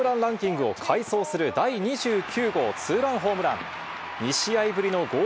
ホームランランキングを快走する第２９号ツーランホームラン！